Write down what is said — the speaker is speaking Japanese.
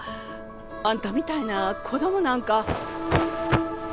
あんたみたいな子どもなんか。